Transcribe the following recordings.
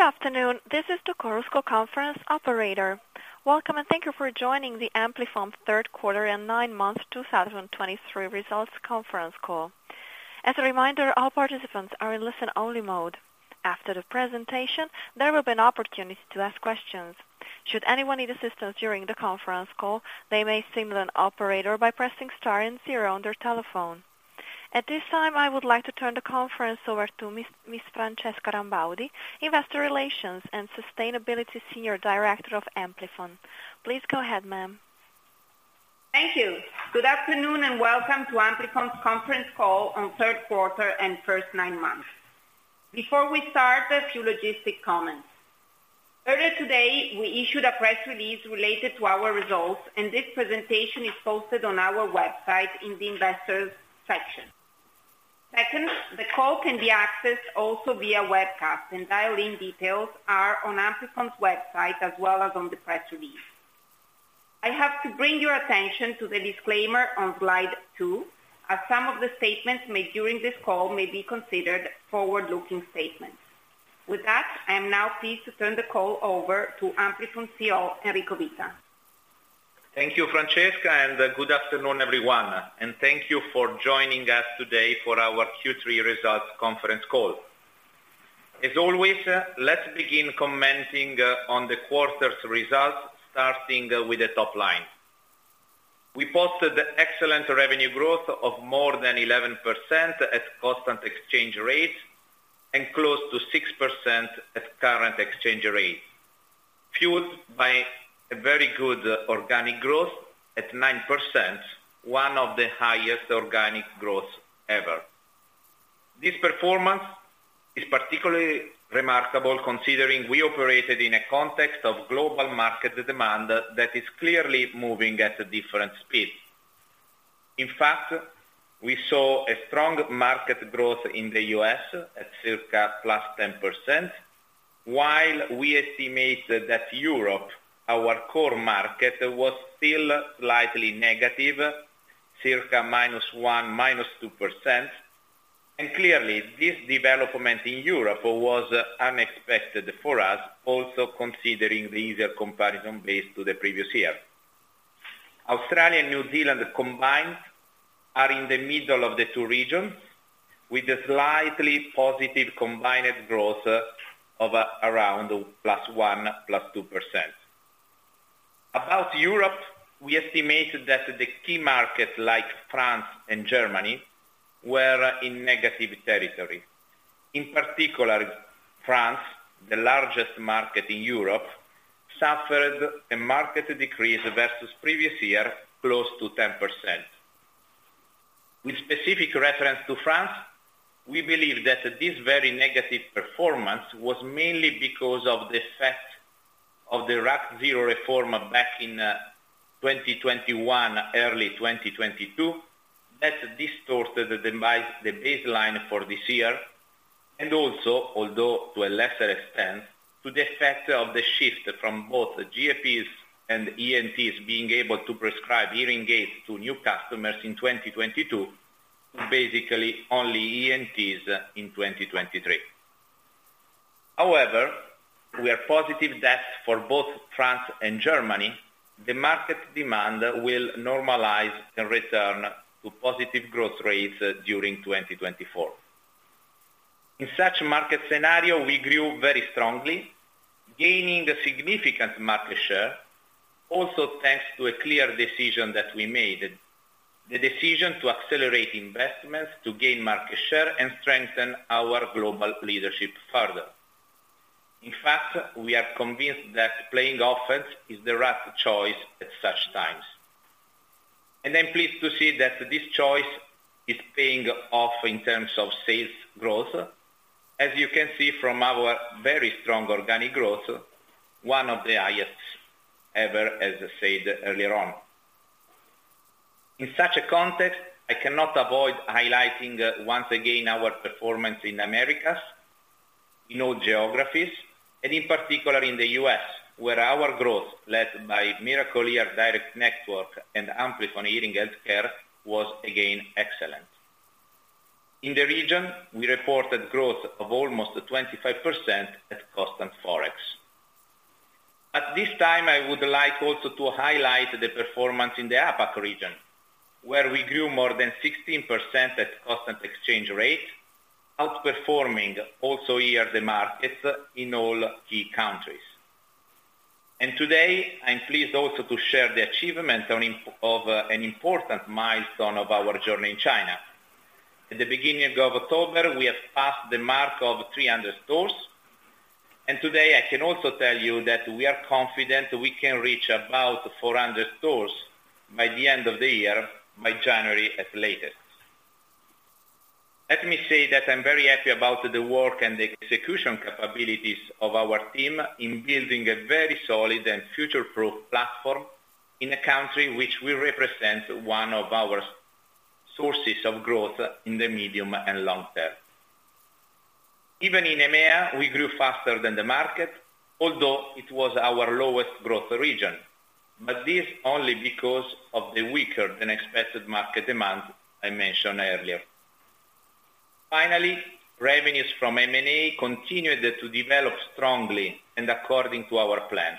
Good afternoon, this is the Chorus Call conference operator. Welcome, and thank you for joining the Amplifon Third Quarter and Nine-month 2023 Results Conference Call. As a reminder, all participants are in listen-only mode. After the presentation, there will be an opportunity to ask questions. Should anyone need assistance during the conference call, they may signal an operator by pressing star and zero on their telephone. At this time, I would like to turn the conference over to Ms. Francesca Rambaudi, Investor Relations and Sustainability Senior Director of Amplifon. Please go ahead, ma'am Thank you. Good afternoon, and welcome to Amplifon's Conference Call on Third Quarter and First Nine Months. Before we start, a few logistical comments. Earlier today, we issued a press release related to our results, and this presentation is posted on our website in the Investors section. Second, the call can be accessed also via webcast, and dial-in details are on Amplifon's website as well as on the press release. I have to bring your attention to the disclaimer on slide two, as some of the statements made during this call may be considered forward-looking statements. With that, I am now pleased to turn the call over to Amplifon CEO, Enrico Vita. Thank you, Francesca, and good afternoon, everyone. Thank you for joining us today for our Q3 results conference call. As always, let's begin commenting on the quarter's results, starting with the top line. We posted excellent revenue growth of more than 11% at constant exchange rates and close to 6% at current exchange rates, fueled by a very good organic growth at 9%, one of the highest organic growths ever. This performance is particularly remarkable, considering we operated in a context of global market demand that is clearly moving at a different speed. In fact, we saw a strong market growth in the U.S. at circa +10%, while we estimate that Europe, our core market, was still slightly negative, circa -1%, -2%. And clearly, this development in Europe was unexpected for us, also considering the easier comparison base to the previous year. Australia and New Zealand combined are in the middle of the two regions, with a slightly positive combined growth of around +1%,-+2%. About Europe, we estimate that the key markets like France and Germany were in negative territory. In particular, France, the largest market in Europe, suffered a market decrease versus previous year, close to 10%. With specific reference to France, we believe that this very negative performance was mainly because of the effect of the RAC 0 reform back in 2021, early 2022. That distorted the baseline for this year, and also, although to a lesser extent, to the effect of the shift from both GPs and ENTs being able to prescribe hearing aids to new customers in 2022, basically only ENTs in 2023. However, we are positive that for both France and Germany, the market demand will normalize and return to positive growth rates during 2024. In such market scenario, we grew very strongly, gaining a significant market share, also thanks to a clear decision that we made. The decision to accelerate investments to gain market share and strengthen our global leadership further. In fact, we are convinced that playing offense is the right choice at such times. I'm pleased to see that this choice is paying off in terms of sales growth. As you can see from our very strong organic growth, one of the highest ever, as I said earlier on. In such a context, I cannot avoid highlighting once again our performance in Americas, in all geographies, and in particular in the U.S., where our growth, led by Miracle-Ear direct network and Amplifon Hearing Health Care, was again excellent. In the region, we reported growth of almost 25% at constant Forex. At this time, I would like also to highlight the performance in the APAC region, where we grew more than 16% at constant exchange rate, outperforming also here the markets in all key countries. Today, I'm pleased also to share the achievement of an important milestone of our journey in China. At the beginning of October, we have passed the mark of 300 stores, and today I can also tell you that we are confident we can reach about 400 stores by the end of the year, by January at latest. Let me say that I'm very happy about the work and the execution capabilities of our team in building a very solid and future-proof platform in a country which will represent one of our sources of growth in the medium and long term. Even in EMEA, we grew faster than the market, although it was our lowest growth region but this only because of the weaker than expected market demand I mentioned earlier. Finally, revenues from M&A continued to develop strongly and according to our plan.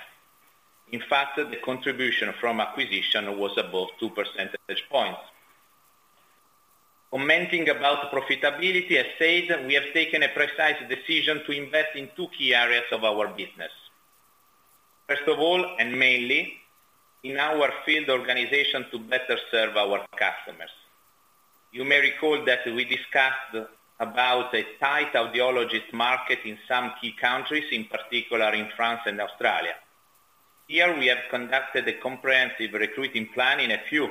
In fact, the contribution from acquisition was above two percentage points. Commenting about profitability, I said we have taken a precise decision to invest in two key areas of our business. First of all, and mainly, in our field organization to better serve our customers. You may recall that we discussed about a tight audiologist market in some key countries, in particular in France and Australia. Here we have conducted a comprehensive recruiting plan in a few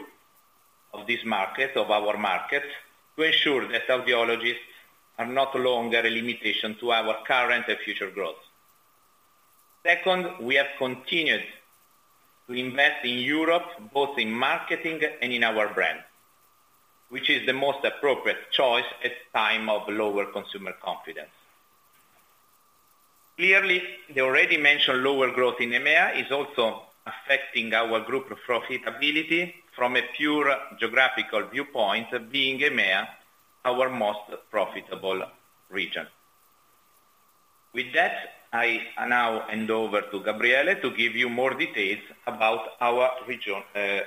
of these markets, of our markets, to ensure that audiologists are no longer a limitation to our current and future growth. Second, we have continued to invest in Europe, both in marketing and in our brand, which is the most appropriate choice at time of lower consumer confidence. Clearly, the already mentioned lower growth in EMEA is also affecting our group profitability from a pure geographical viewpoint, being EMEA our most profitable region. With that, I now hand over to Gabriele to give you more details about our region,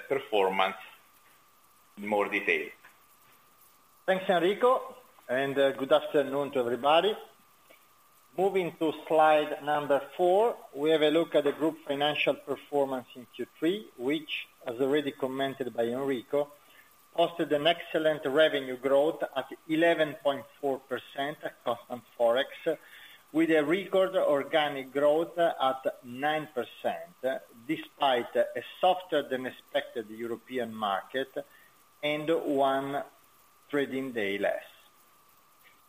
performance in more detail. Thanks, Enrico, and good afternoon to everybody. Moving to slide number 4, we have a look at the group financial performance in Q3, which, as already commented by Enrico, posted an excellent revenue growth at 11.4% constant forex, with a record organic growth at 9%, despite a softer than expected European market and one trading day less.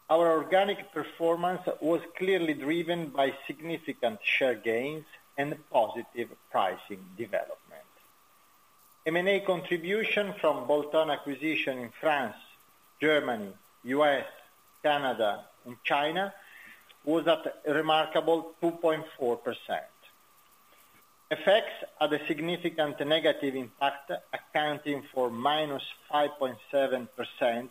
Our organic performance was clearly driven by significant share gains and positive pricing development. M&A contribution from bolt-on acquisition in France, Germany, U.S., Canada and China was at a remarkable 2.4%. FX had a significant negative impact, accounting for -5.7%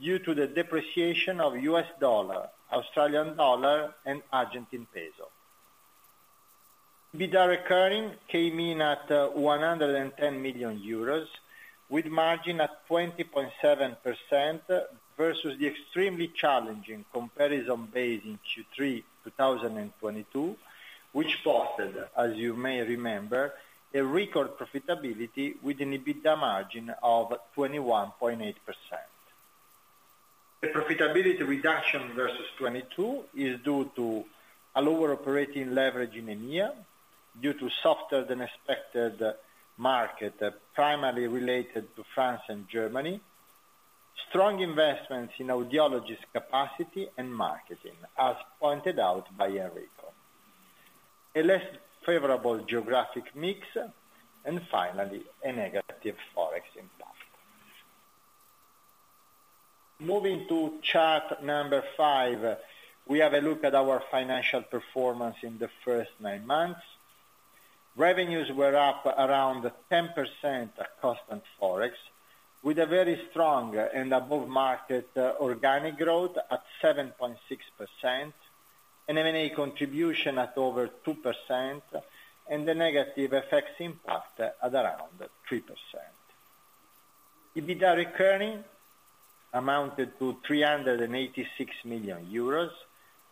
due to the depreciation of U.S. dollar, Australian dollar and Argentine peso. EBITDA recurring came in at 110 million euros, with margin at 20.7% versus the extremely challenging comparison base in Q3 2022, which posted, as you may remember, a record profitability with an EBITDA margin of 21.8%. The profitability reduction versus 2022 is due to a lower operating leverage in EMEA, due to softer than expected market, primarily related to France and Germany, strong investments in audiologist capacity and marketing, as pointed out by Enrico, a less favorable geographic mix, and finally, a negative forex impact. Moving to chart number 5, we have a look at our financial performance in the first 9 months. Revenues were up around 10% at constant forex, with a very strong and above market organic growth at 7.6%, and M&A contribution at over 2%, and the negative FX impact at around 3%. EBITDA recurring amounted to 386 million euros,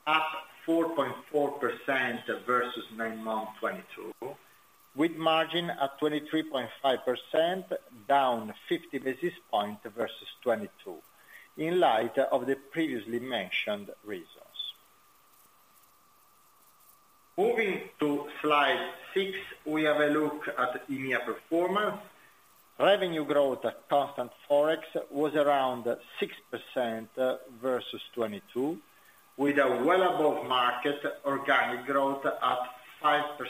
up 4.4% versus 9-months 2022, with margin at 23.5%, down 50 basis points versus 2022, in light of the previously mentioned reasons. Moving to slide 6, we have a look at EMEA performance. Revenue growth at constant Forex was around 6% versus 2022, with a well above market organic growth at 5%,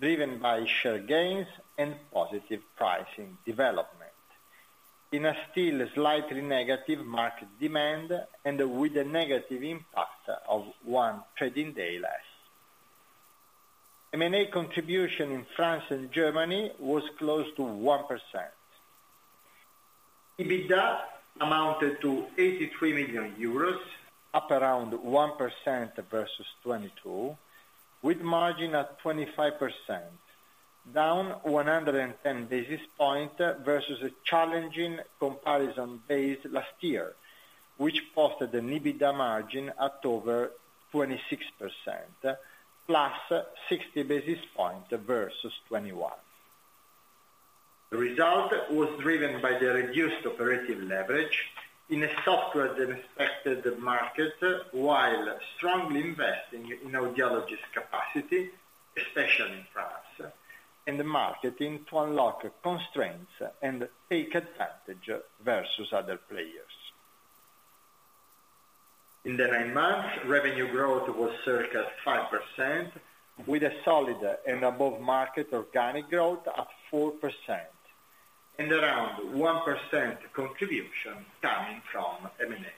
driven by share gains and positive pricing development in a still slightly negative market demand and with a negative impact of one trading day less. M&A contribution in France and Germany was close to 1%. EBITDA amounted to 83 million euros, up around 1% versus 2022, with margin at 25%, down 110 basis points versus a challenging comparison base last year, which posted an EBITDA margin at over 26%, plus 60 basis points versus 2021. The result was driven by the reduced operating leverage in a softer than expected market, while strongly investing in audiologist capacity, especially in France, and marketing to unlock constraints and take advantage versus other players. In the nine months, revenue growth was circa 5%, with a solid and above market organic growth at 4%, and around 1% contribution coming from M&A.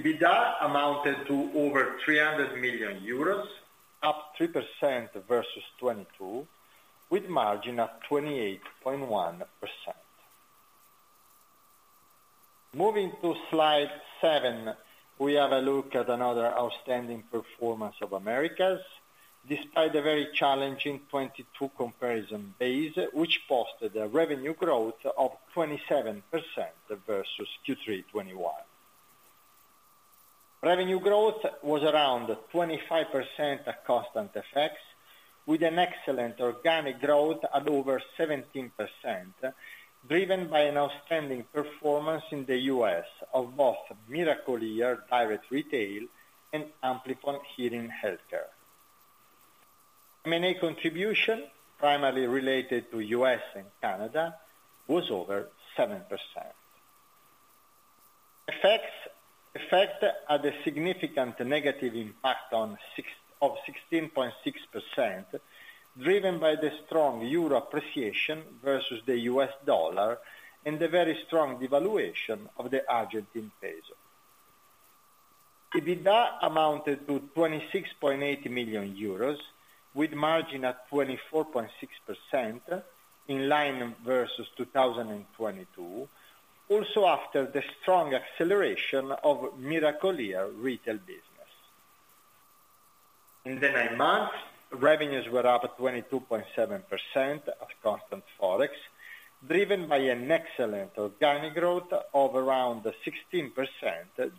EBITDA amounted to over 300 million euros, up 3% versus 2022, with margin of 28.1%. Moving to slide 7, we have a look at another outstanding performance of Americas, despite the very challenging 2022 comparison base, which posted a revenue growth of 27% versus Q3 2021. Revenue growth was around 25% at constant FX, with an excellent organic growth at over 17%, driven by an outstanding performance in the U.S. of both Miracle-Ear direct retail and Amplifon Hearing Health Care. M&A contribution, primarily related to U.S. and Canada, was over 7%. FX effect had a significant negative impact of -16.6%, driven by the strong Euro appreciation versus the US dollar, and the very strong devaluation of the Argentine peso. EBITDA amounted to 26.8 million euros, with margin at 24.6% in line versus 2022, also after the strong acceleration of Miracle-Ear retail business. In the nine months, revenues were up at 22.7% at constant Forex, driven by an excellent organic growth of around 16%,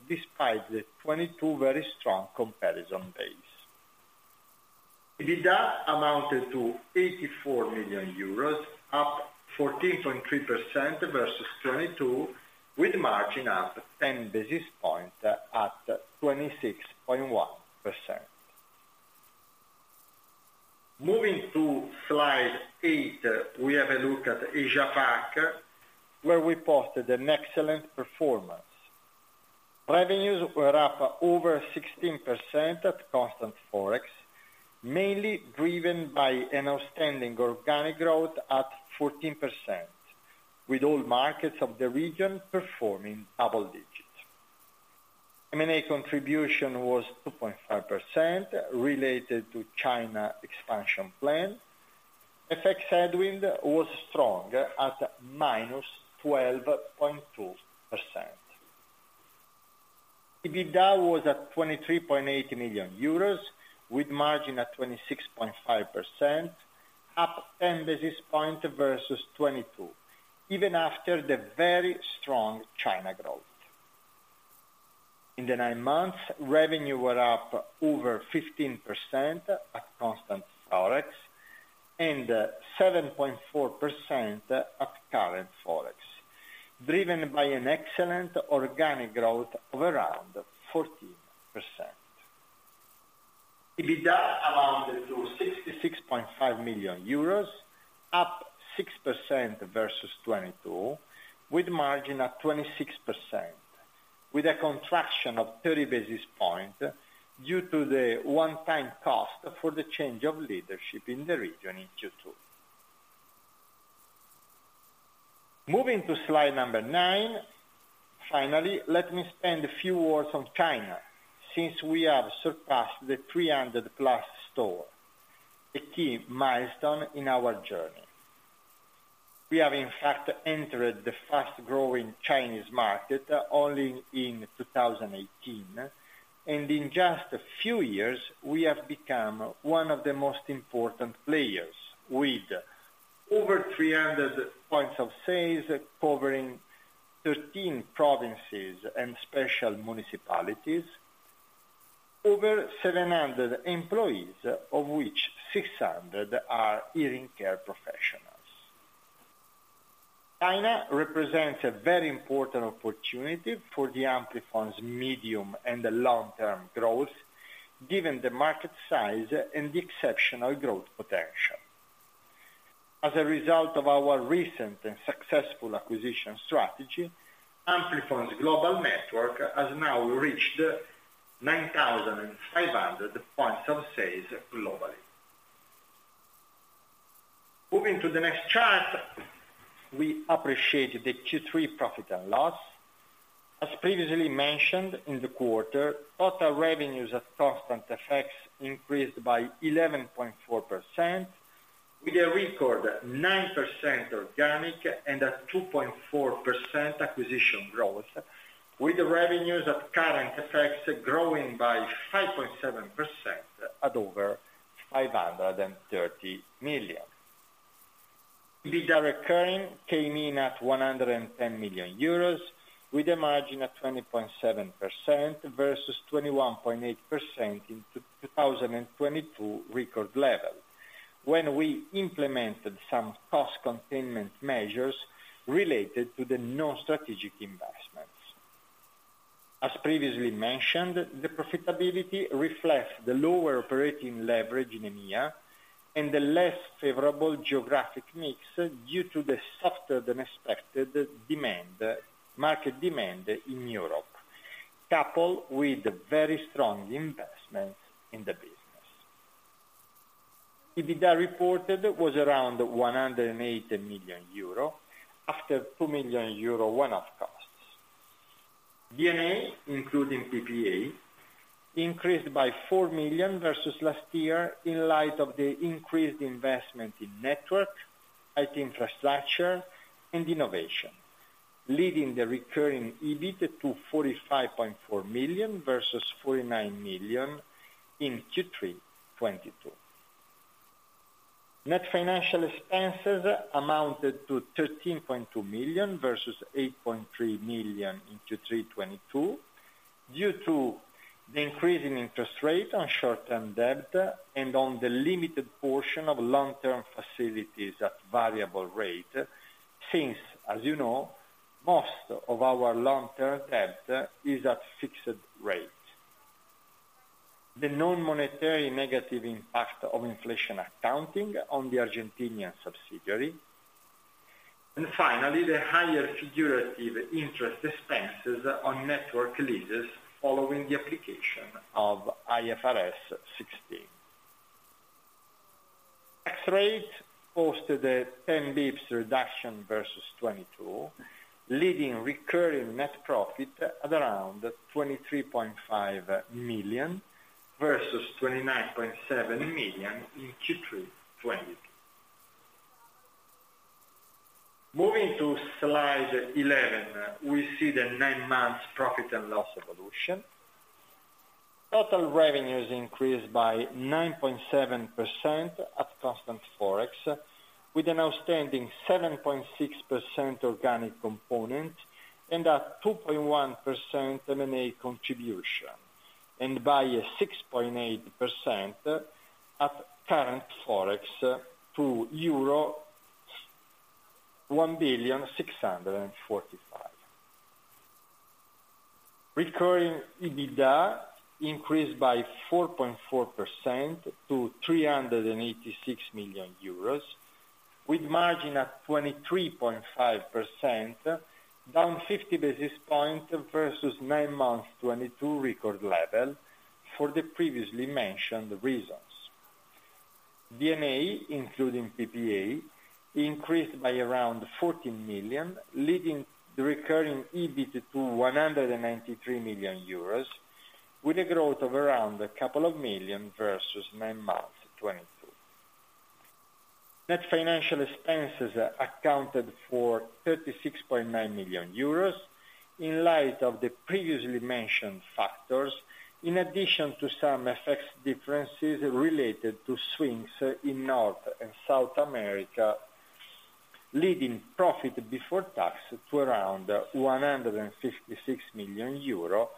despite the 2022 very strong comparison base. EBITDA amounted to 84 million euros, up 14.3% versus 2022, with margin up 10 basis points at 26.1%. Moving to slide 8, we have a look at Asia-Pacific, where we posted an excellent performance. Revenues were up over 16% at constant forex, mainly driven by an outstanding organic growth at 14%, with all markets of the region performing double digits. M&A contribution was 2.5%, related to China expansion plan. FX headwind was strong at -12.2%. EBITDA was at EUR 23.8 million, with margin at 26.5%, up 10 basis points versus 2022, even after the very strong China growth. In the 9 months, revenue were up over 15% at constant forex, and 7.4% at current forex, driven by an excellent organic growth of around 14%. EBITDA amounted to EUR 66.5 million, up 6% versus 2022, with margin at 26%, with a contraction of 30 basis points due to the one-time cost for the change of leadership in the region in Q2. Moving to slide number 9, finally, let me spend a few words on China, since we have surpassed the 300+ stores, a key milestone in our journey. We have, in fact, entered the fast growing Chinese market only in 2018, and in just a few years, we have become one of the most important players with over 300 points of sale covering 13 provinces and special municipalities, over 700 employees, of which 600 are hearing care professionals. China represents a very important opportunity for the Amplifon's medium and the long term growth, given the market size and the exceptional growth potential. As a result of our recent and successful acquisition strategy, Amplifon's global network has now reached 9,500 points of sale globally. Moving to the next chart, we appreciate the Q3 profit and loss. As previously mentioned, in the quarter, total revenues at constant FX increased by 11.4%, with a record 9% organic and a 2.4% acquisition growth, with the revenues at current FX growing by 5.7% at over 530 million. EBITDA recurring came in at 110 million euros, with a margin of 20.7% versus 21.8% in 2022 record level, when we implemented some cost containment measures related to the non-strategic investments. As previously mentioned, the profitability reflects the lower operating leverage in EMEA and the less favorable geographic mix, due to the softer than expected demand, market demand in Europe, coupled with the very strong investments in the business. EBITDA reported was around 180 million euro, after 2 million euro one-off costs. D&A, including PPA, increased by 4 million versus last year in light of the increased investment in network, IT infrastructure, and innovation, leading the recurring EBIT to 45.4 million, versus 49 million in Q3 2022. Net financial expenses amounted to 13.2 million, versus 8.3 million in Q3 2022, due to the increase in interest rate on short-term debt and on the limited portion of long-term facilities at variable rate, since, as you know, most of our long-term debt is at fixed rate. The non-monetary negative impact of inflation accounting on the Argentine subsidiary, and finally, the higher figurative interest expenses on network leases following the application of IFRS 16. Tax rate posted a 10 basis points reduction versus 2022, leading recurring net profit at around 23.5 million, versus 29.7 million in Q3 2022. Moving to slide eleven, we see the nine months profit and loss evolution. Total revenues increased by 9.7% at constant forex, with an outstanding 7.6% organic component, and a 2.1% M&A contribution, and by a 6.8% at current forex to euro 1.645 billion. Recurring EBITDA increased by 4.4% to 386 million euros, with margin at 23.5%, down 50 basis points versus nine-months 2022 record level for the previously mentioned reasons. D&A, including PPA, increased by around 14 million, leading the recurring EBIT to 193 million euros, with a growth of around a couple of million versus nine-months 2022. Net financial expenses accounted for 36.9 million euros, in light of the previously mentioned factors, in addition to some FX differences related to swings in North and South America, leading profit before tax to around 156 million euro,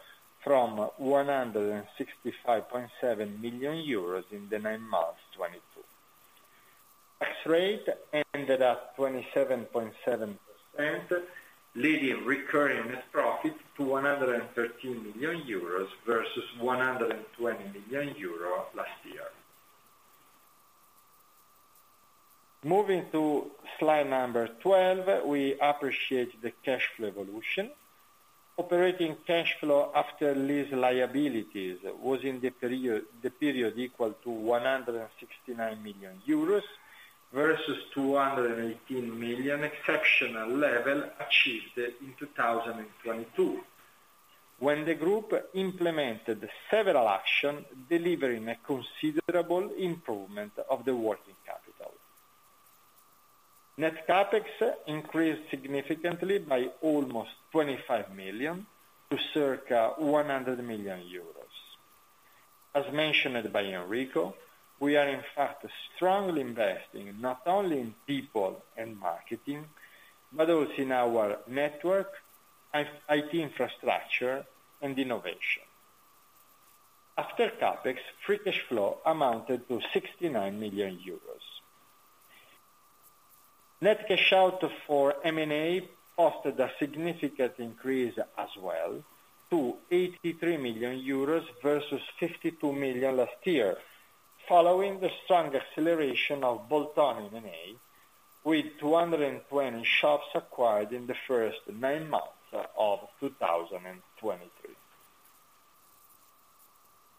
from 165.7 million euros in the nine months 2022. Tax rate ended at 27.7%, leading recurring net profit to 113 million euros, versus 120 million euros last year. Moving to slide number 12, we appreciate the cash flow evolution. Operating cash flow after lease liabilities was in the period equal to 169 million euros, versus 218 million exceptional level achieved in 2022 when the group implemented several actions delivering a considerable improvement of the working capital. Net CapEx increased significantly by almost 25 million, to circa 100 million euros. As mentioned by Enrico, we are in fact strongly investing, not only in people and marketing, but also in our network, IT infrastructure, and innovation. After CapEx, free cash flow amounted to 69 million euros. Net cash out for M&A offered a significant increase as well, to 83 million euros versus 52 million last year, following the strong acceleration of bolt-on M&A, with 220 shops acquired in the first nine months of 2023.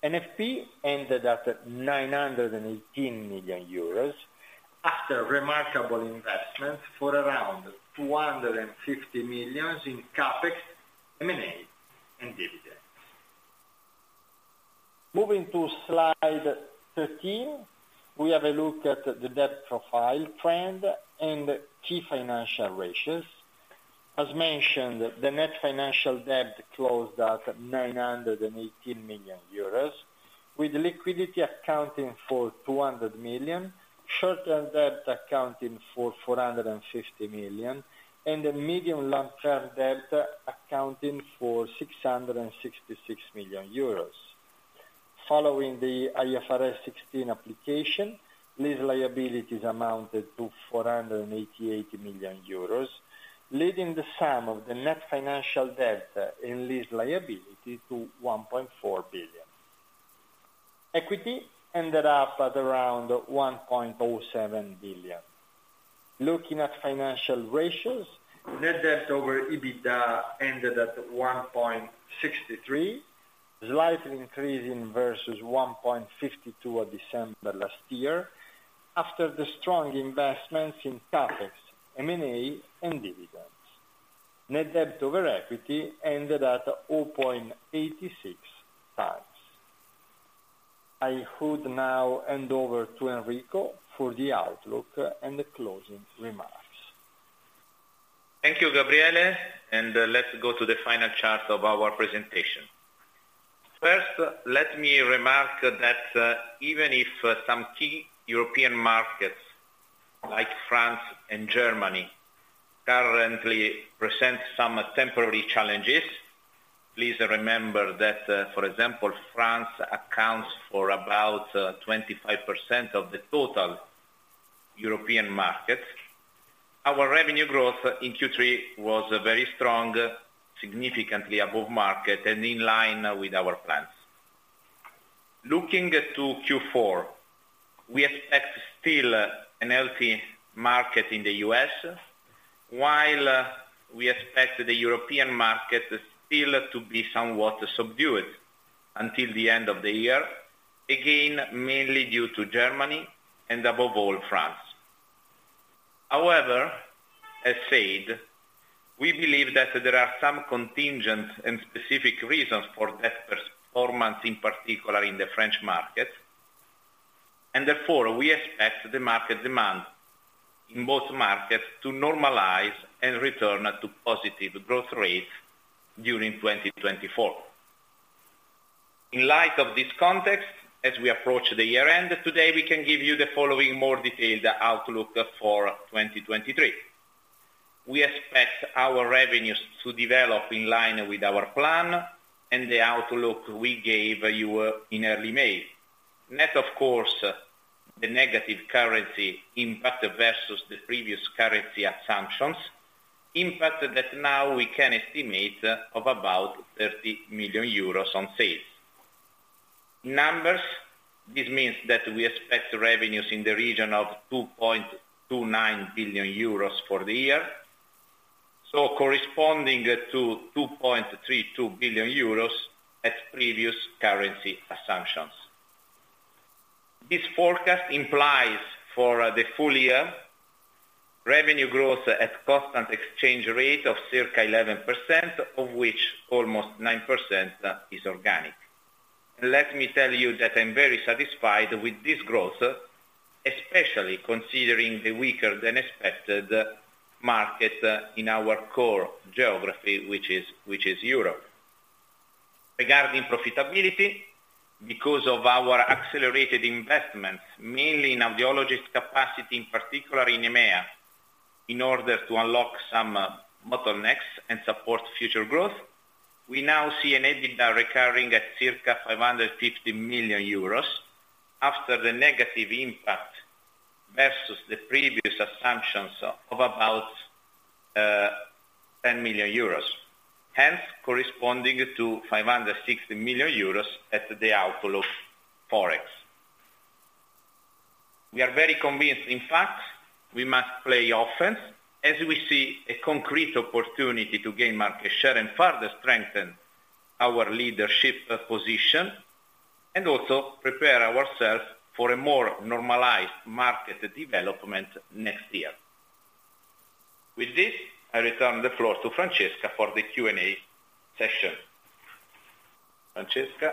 NFP ended at 918 million euros, after remarkable investment for around 250 million in CapEx, M&A, and dividends. Moving to slide 13, we have a look at the debt profile trend and key financial ratios. As mentioned, the net financial debt closed at 918 million euros, with liquidity accounting for 200 million, short-term debt accounting for 450 million, and the medium long-term debt accounting for 666 million euros. Following the IFRS 16 application, lease liabilities amounted to 488 million euros, leading the sum of the net financial debt and lease liability to 1.4 billion. Equity ended up at around 1.07 billion. Looking at financial ratios, net debt over EBITDA ended at 1.63x, slightly increasing versus 1.52x of December last year, after the strong investments in CapEx, M&A, and dividends. Net debt over equity ended at 0.86x. I would now hand over to Enrico for the outlook and the closing remarks. Thank you, Gabriele, and let's go to the final chart of our presentation. First, let me remark that even if some key European markets like France and Germany currently present some temporary challenges, please remember that, for example, France accounts for about 25% of the total European market. Our revenue growth in Q3 was very strong, significantly above market and in line with our plans. Looking to Q4, we expect still a healthy market in the U.S., while we expect the European market still to be somewhat subdued until the end of the year, again, mainly due to Germany and above all, France. However, as said, we believe that there are some contingent and specific reasons for that performance, in particular in the French market, and therefore, we expect the market demand in both markets to normalize and return to positive growth rates during 2024. In light of this context, as we approach the year end, today, we can give you the following more detailed outlook for 2023. We expect our revenues to develop in line with our plan and the outlook we gave you in early May. Net, of course, the negative currency impact versus the previous currency assumptions, impact that now we can estimate of about 30 million euros on sales. Numbers, this means that we expect revenues in the region of 2.29 billion euros for the year, so corresponding to 2.32 billion euros at previous currency assumptions. This forecast implies for the full year, revenue growth at constant exchange rate of circa 11%, of which almost 9% is organic. Let me tell you that I'm very satisfied with this growth, especially considering the weaker than expected market, in our core geography, which is Europe. Regarding profitability, because of our accelerated investments, mainly in audiology capacity, in particular in EMEA, in order to unlock some bottlenecks and support future growth, we now see an EBITDA recurring at circa 550 million euros after the negative impact versus the previous assumptions of about, 10 million euros, hence corresponding to 560 million euros at the outlook Forex. We are very convinced, in fact, we must play offense as we see a concrete opportunity to gain market share and further strengthen our leadership position, and also prepare ourselves for a more normalized market development next year. With this, I return the floor to Francesca for the Q&A session. Francesca?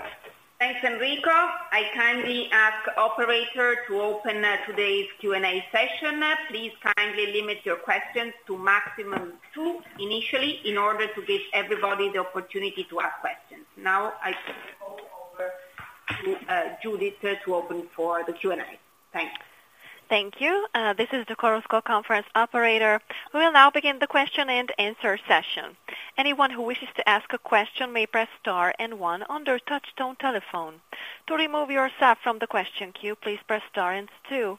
Thanks, Enrico. I kindly ask operator to open today's Q&A session. Please kindly limit your questions to maximum two initially, in order to give everybody the opportunity to ask questions. Now, I turn it over to Judith, to open for the Q&A. Thanks. Thank you. This is the Chorus Call conference operator. We will now begin the question-and-answer session. Anyone who wishes to ask a question may press star and one on their touch-tone telephone. To remove yourself from the question queue, please press star and two.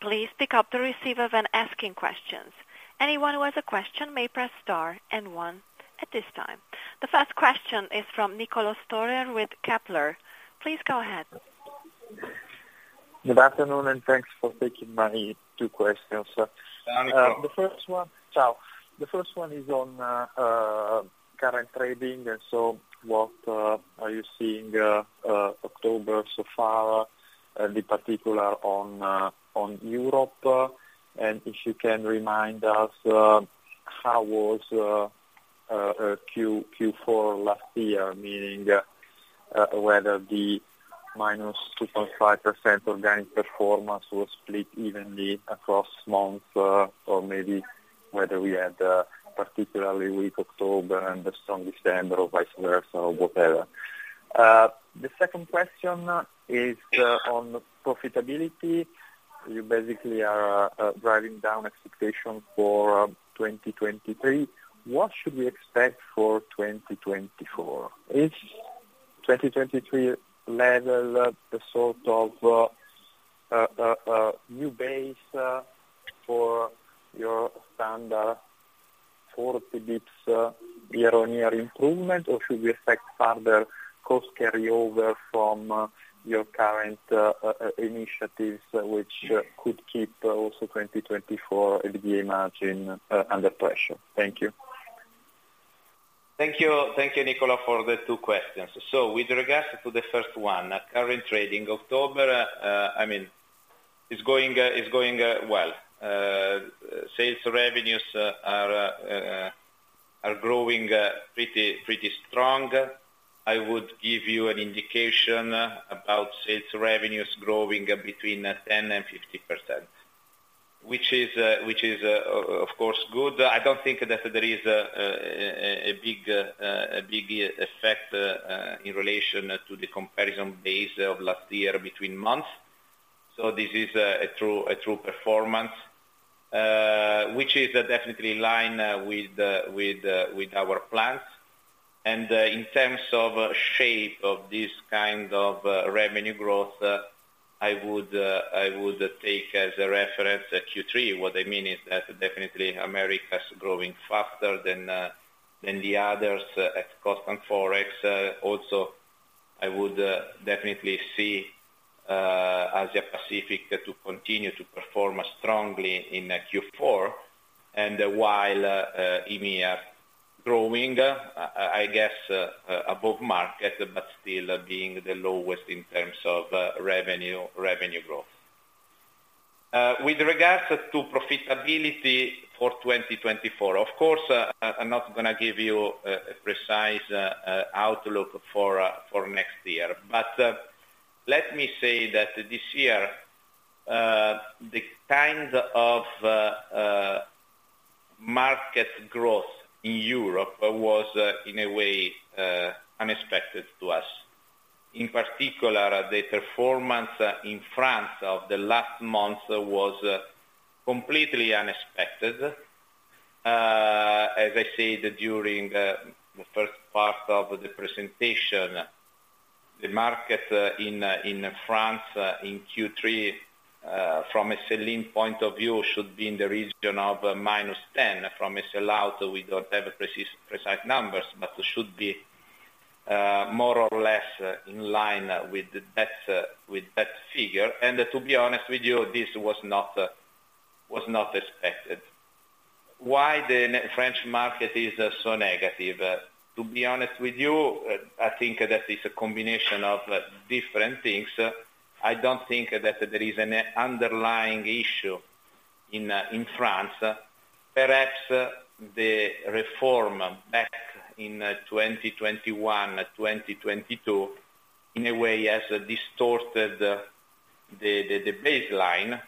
Please pick up the receiver when asking questions. Anyone who has a question may press star and one at this time. The first question is from Niccolò Storer with Kepler. Please go ahead. Good afternoon, and thanks for taking my two questions, sir. Danke. The first one. Ciao. The first one is on current trading, and so what are you seeing October so far, any particular on Europe? And if you can remind us how was Q4 last year, meaning whether the -2.5% organic performance was split evenly across months, or maybe whether we had a particularly weak October and a strong December, or vice versa, or whatever. The second question is on profitability. You basically are driving down expectation for 2023. What should we expect for 2024? Is 2023 level the sort of new base for your standard for this year-on-year improvement, or should we expect further cost carryover from your current initiatives, which could keep also 2024 EBITDA margin under pressure? Thank you. Thank you. Thank you, Niccolò, for the two questions. So with regards to the first one, current trading October, I mean, is going well. Sales revenues, are, are growing, pretty, pretty strong. I would give you an indication about sales revenues growing between 10% and 50%, which is, of course, good. I don't think that there is a, a big, a big effect, in relation to the comparison base of last year between months. So this is, a true, a true performance, which is definitely in line with our plans. And, in terms of shape of this kind of, revenue growth, I would, I would take as a reference Q3. What I mean is that definitely Americas is growing faster than the others at constant forex. Also, I would definitely see Asia-Pacific to continue to perform strongly in Q4, and while EMEA is growing, I guess, above market, but still being the lowest in terms of revenue revenue growth. With regards to profitability for 2024, of course, I'm not going to give you a precise outlook for next year. But let me say that this year the kind of market growth in Europe was in a way unexpected to us. In particular, the performance in France of the last month was completely unexpected. As I said, during the first part of the presentation, the market in France in Q3 from a selling point of view should be in the region of -10%. From a sell out, we don't have precise, precise numbers, but it should be more or less in line with that figure. To be honest with you, this was not expected. Why the French market is so negative? To be honest with you, I think that it's a combination of different things. I don't think that there is an underlying issue in France. Perhaps the reform back in 2021, 2022, in a way, has distorted the baseline,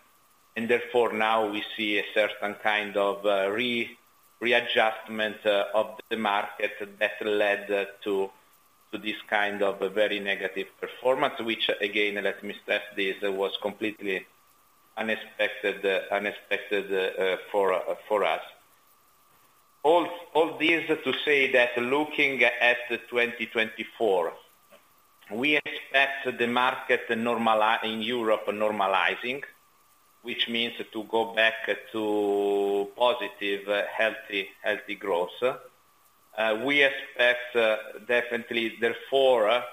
and therefore, now we see a certain kind of re-readjustment of the market that led to this kind of a very negative performance, which, again, let me stress, this was completely unexpected for us. All this to say that looking at 2024, we expect the market to be normalizing in Europe, which means to go back to positive, healthy growth. We expect definitely, therefore,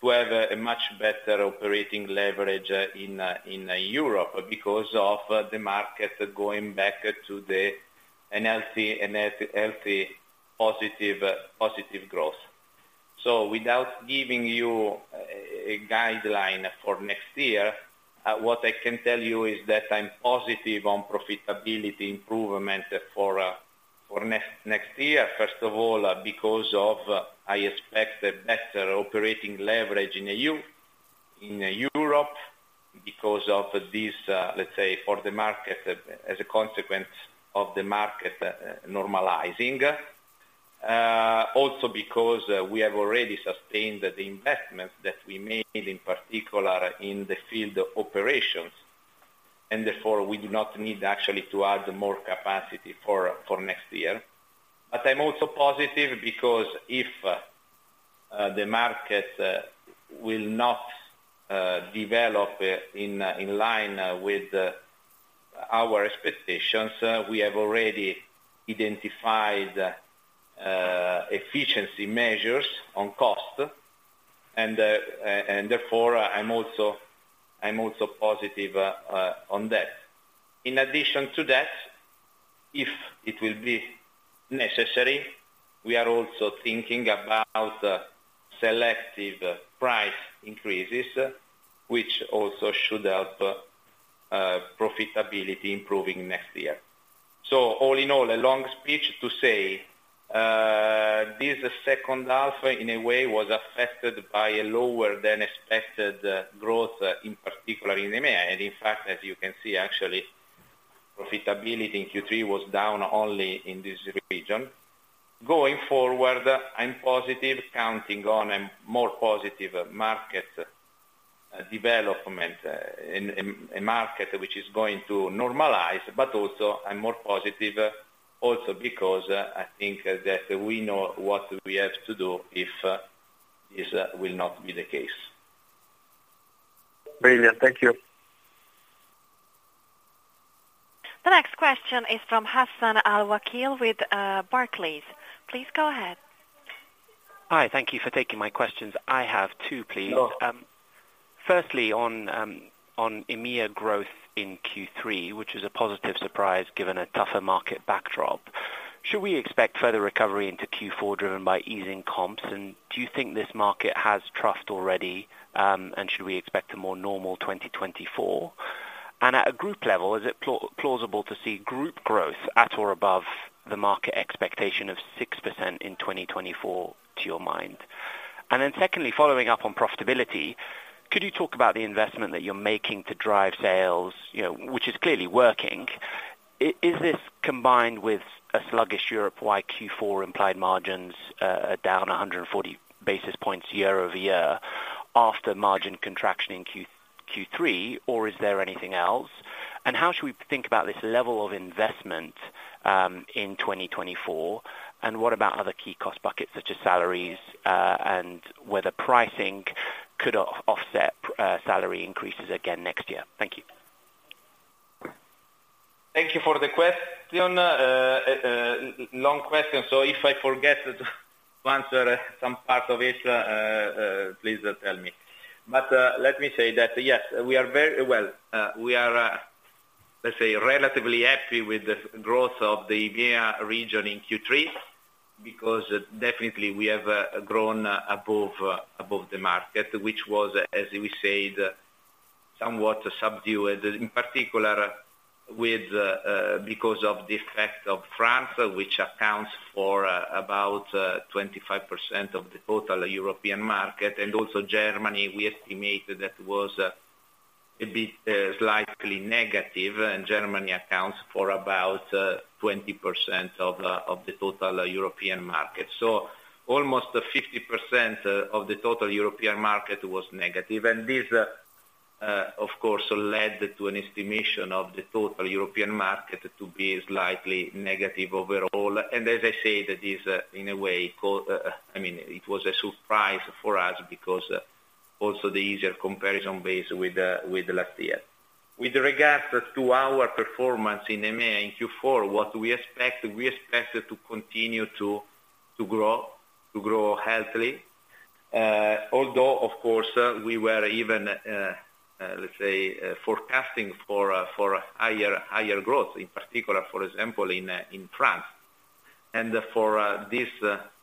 to have a much better operating leverage in Europe because of the market going back to the healthy, positive growth. So without giving you a guideline for next year, what I can tell you is that I'm positive on profitability improvement for next year. First of all, because of, I expect a better operating leverage in Europe, because of this, let's say, for the market, as a consequence of the market normalizing. Also because we have already sustained the investments that we made, in particular in the field operations, and therefore, we do not need actually to add more capacity for next year. But I'm also positive because if the market will not develop in line with our expectations, we have already identified efficiency measures on cost, and therefore, I'm also positive on that. In addition to that, if it will be necessary, we are also thinking about selective price increases, which also should help profitability improving next year. So all in all, a long speech to say, this second half, in a way, was affected by a lower-than-expected growth, in particular in EMEA. And in fact, as you can see, actually, profitability in Q3 was down only in this region. Going forward, I'm positive, counting on a more positive market development, in a market which is going to normalize, but also I'm more positive also because I think that we know what we have to do if this will not be the case. Brilliant. Thank you. The next question is from Hassan Al-Wakeel with Barclays. Please go ahead. Hi, thank you for taking my questions. I have two, please. Sure. Firstly, on EMEA growth in Q3, which is a positive surprise, given a tougher market backdrop, should we expect further recovery into Q4, driven by easing comps? And do you think this market has trust already, and should we expect a more normal 2024? And at a group level, is it plausible to see group growth at or above the market expectation of 6% in 2024, to your mind? And then secondly, following up on profitability, could you talk about the investment that you're making to drive sales, you know, which is clearly working. Is this combined with a sluggish Europe, why Q4 implied margins are down 140 basis points year-over-year, after margin contraction in Q3, or is there anything else? How should we think about this level of investment in 2024? What about other key cost buckets, such as salaries, and whether pricing could offset salary increases again next year? Thank you. Thank you for the question. Long question, so if I forget to answer some part of it, please tell me. But let me say that, yes, well, we are, let's say, relatively happy with the growth of the EMEA region in Q3, because definitely we have grown above the market, which was, as we said, somewhat subdued, in particular, because of the effect of France, which accounts for about 25% of the total European market, and also Germany, we estimated that was a bit slightly negative, and Germany accounts for about 20% of the total European market. So almost 50% of the total European market was negative. This, of course, led to an estimation of the total European market to be slightly negative overall. And as I said, this, in a way, I mean, it was a surprise for us because also the easier comparison base with last year. With regards to our performance in EMEA in Q4, what we expect, we expect it to continue to grow healthily. Although, of course, we were even, let's say, forecasting for higher growth, in particular, for example, in France. And for this,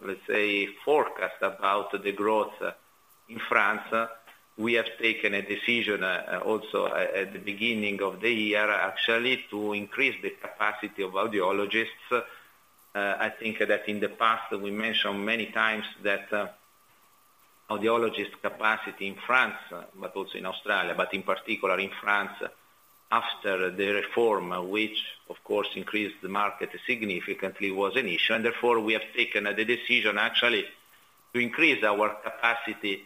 let's say, forecast about the growth in France, we have taken a decision, also at the beginning of the year, actually, to increase the capacity of audiologists. I think that in the past, we mentioned many times that audiologist capacity in France, but also in Australia, but in particular in France, after the reform, which of course increased the market significantly, was an issue, and therefore we have taken the decision actually to increase our capacity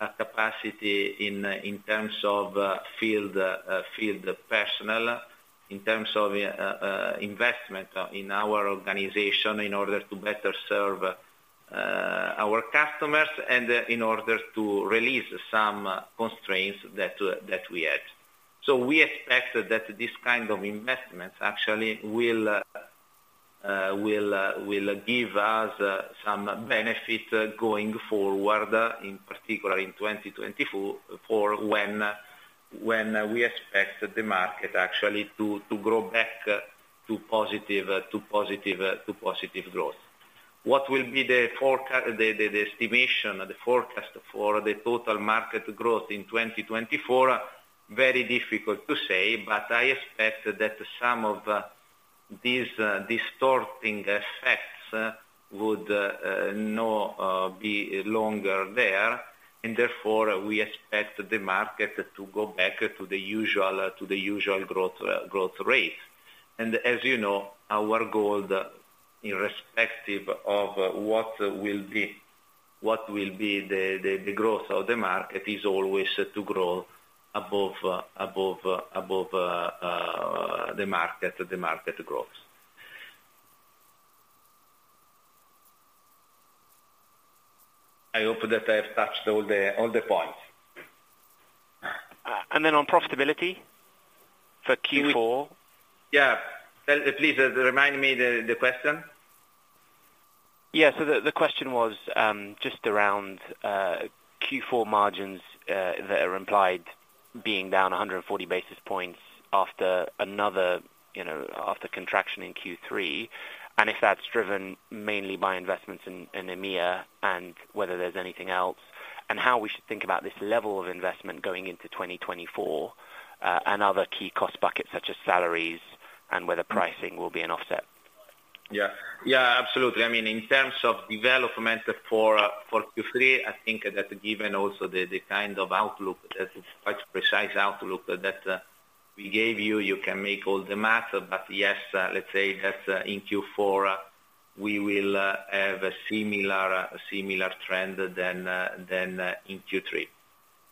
in terms of field personnel, in terms of investment in our organization, in order to better serve our customers and in order to release some constraints that we had. We expect that this kind of investments actually will give us some benefit going forward, in particular in 2024, when we expect the market actually to grow back to positive growth. What will be the forecast, the estimation, the forecast for the total market growth in 2024? Very difficult to say, but I expect that some of these distorting effects would no longer be there, and therefore, we expect the market to go back to the usual growth rate. And as you know, our goal, irrespective of what will be the growth of the market, is always to grow above the market growth. I hope that I have touched all the points. And then on profitability for Q4? Yeah. Please remind me the question. Yeah. So the question was just around Q4 margins that are implied being down 100 basis points after another, you know, after contraction in Q3, and if that's driven mainly by investments in EMEA, and whether there's anything else, and how we should think about this level of investment going into 2024, and other key cost buckets, such as salaries, and whether pricing will be an offset. Yeah. Yeah, absolutely. I mean, in terms of development for Q3, I think that given also the kind of outlook, that is quite precise outlook that we gave you, you can make all the math, but yes, let's say that in Q4 we will have a similar trend than in Q3.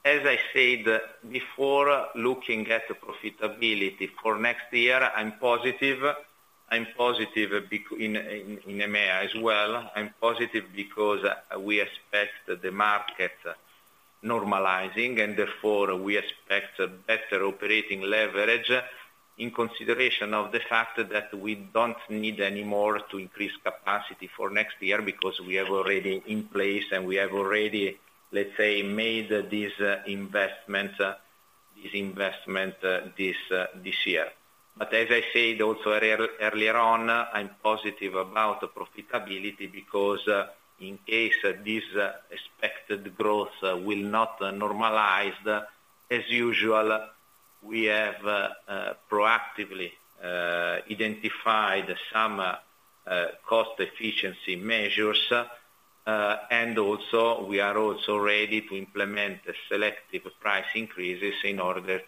As I said before, looking at the profitability for next year, I'm positive. I'm positive, being in EMEA as well. I'm positive because we expect the market normalizing, and therefore, we expect a better operating leverage in consideration of the fact that we don't need any more to increase capacity for next year, because we have already in place, and we have already, let's say, made these investments this year. But as I said also earlier on, I'm positive about the profitability because in case this expected growth will not normalize, as usual, we have proactively identified some cost efficiency measures. And also, we are also ready to implement the selective price increases in order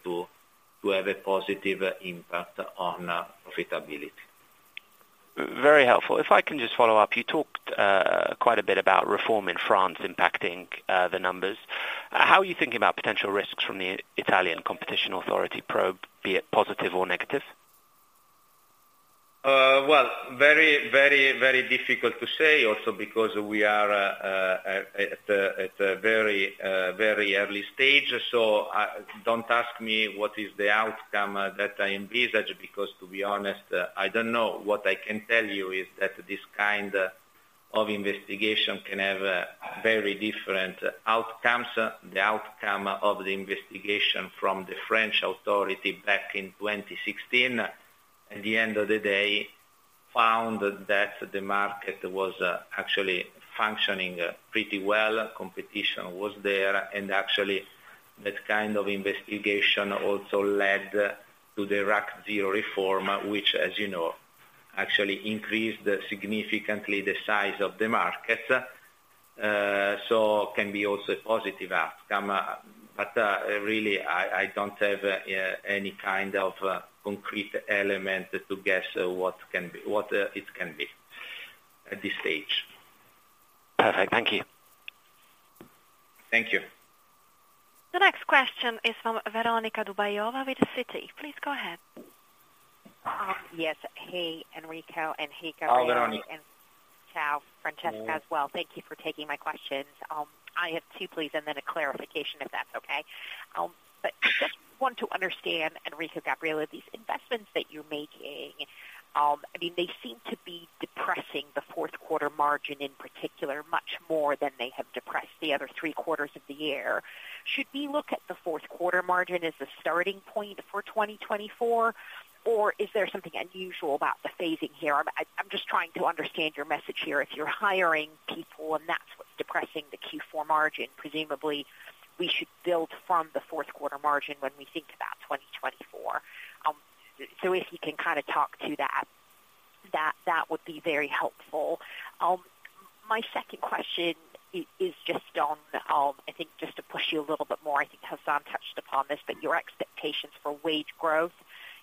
to have a positive impact on profitability. Very helpful. If I can just follow up, you talked quite a bit about reform in France impacting the numbers. How are you thinking about potential risks from the Italian Competition Authority probe, be it positive or negative? Well, very, very, very difficult to say, also because we are at a very early stage. So don't ask me what is the outcome that I envisage, because to be honest, I don't know. What I can tell you is that this kind of investigation can have very different outcomes. The outcome of the investigation from the French authority back in 2016, at the end of the day, found that the market was actually functioning pretty well, competition was there, and actually, that kind of investigation also led to the RAC 0 reform, which, as you know, actually increased significantly the size of the market. So can be also a positive outcome. Really, I don't have any kind of concrete element to guess what it can be at this stage. Perfect. Thank you. Thank you. The next question is from Veronika Dubajova with Citi. Please go ahead. Yes. Hey, Enrico, and hey, Gabriele. Hi, Veronika. Ciao, Francesca, as well. Thank you for taking my questions. I have two, please, and then a clarification, if that's okay. But just want to understand, Enrico, Gabriele, these investments that you're making, I mean, they seem to be depressing the fourth quarter margin, in particular, much more than they have depressed the other three quarters of the year. Should we look at the fourth quarter margin as a starting point for 2024, or is there something unusual about the phasing here? I'm just trying to understand your message here. If you're hiring people and that's what's depressing the Q4 margin, presumably, we should build from the fourth quarter margin when we think about 2024. So if you can kind of talk to that, that would be very helpful. My second question is just on, I think just to push you a little bit more, I think Hassan touched upon this, but your expectations for wage growth